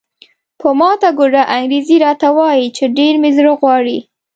په ماته ګوډه انګریزي راته وایي چې ډېر مې زړه غواړي.